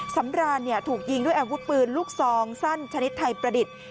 สำรานถูกยิงด้วยอาวุธปืนลูกซองสั้นชนิดไทยประดิษฐ์